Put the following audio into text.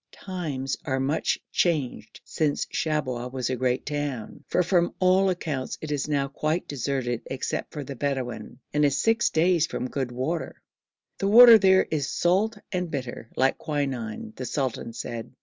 Times are much changed since Shabwa was a great town, for from all accounts it is now quite deserted save for the Bedouin, and is six days from good water; the water there is salt and bitter, like quinine, the sultan said.